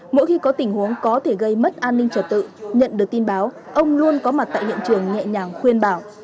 mỗi khi có tình huống có thể gây mất an ninh trật tự nhận được tin báo ông luôn có mặt tại hiện trường nhẹ nhàng khuyên bảo